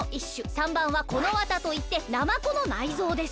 ３ばんはこのわたといってなまこのないぞうです。